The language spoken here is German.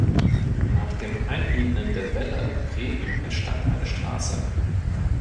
Nach dem Einebnen der Wälle und Gräben entstand eine Straße.